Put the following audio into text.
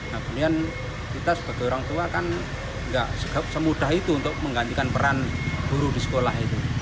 kemudian kita sebagai orang tua kan nggak semudah itu untuk menggantikan peran guru di sekolah itu